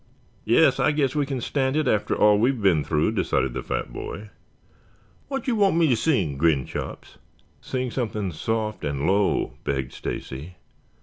"Yes, I guess we can stand it after all we have been through," decided the fat boy. "Wha' you want me sing?" grinned Chops. "Sing something soft and low," begged Stacy.